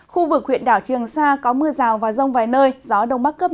khu vực huyện đảo trường sa có mưa rào và rông vài nơi gió đông bắc cấp năm